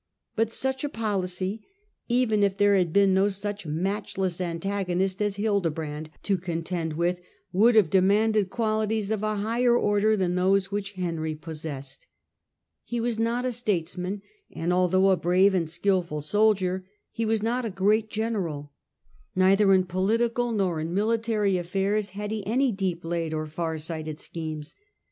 But such a policy, even if there had been no such matchless antago nist as Hildebrand to contend with, would have de manded abilities of a higher order than those which Henry possessed. He was not a statesman, and, although a brave and skDful soldier, he was not a great general. Neither in political nor in military affiairs had he any deep laid or far sighted schemes.